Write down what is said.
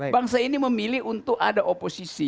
bangsa ini memilih untuk ada oposisi